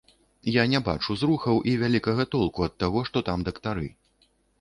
Я не бачу зрухаў і вялікага толку ад таго, што там дактары.